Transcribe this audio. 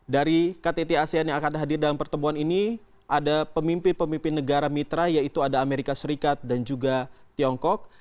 dari ktt asean yang akan hadir dalam pertemuan ini ada pemimpin pemimpin negara mitra yaitu ada amerika serikat dan juga tiongkok